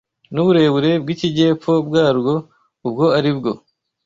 n’uburebure bw’ikijyepfo bwarwo ubwo ari bwo